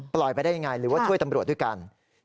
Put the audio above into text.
ปล่อยไปได้อย่างไรหรือว่าช่วยตำรวจด้วยกัน